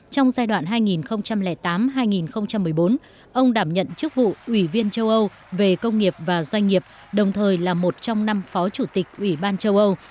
trong giai đoạn hai nghìn tám hai nghìn một mươi bốn ông đảm nhận chức vụ ủy viên châu âu về công nghiệp và doanh nghiệp đồng thời là một trong năm phó chủ tịch ủy ban châu âu